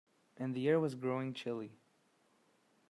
And the air was growing chilly.